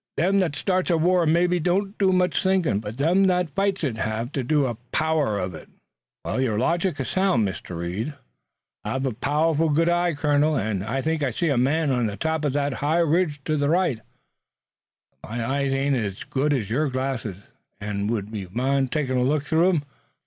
Them that starts a war mebbe don't do much thinkin', but them that fights it hev to do a power uv it." "Your logic is sound, Mr. Reed." "I hev a pow'ful good eye, colonel, an' I think I see a man on top uv that high ridge to the right. But my eye ain't ez good ez your glasses, an' would you min' takin' a look through 'em?